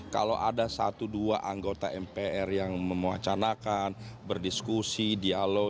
kalau ada satu dua anggota mpr yang memuacanakan berdiskusi dialog